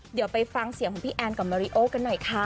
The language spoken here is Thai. เดี๋ยวไปฟังเสียงของพี่แอนกับมาริโอกันหน่อยค่ะ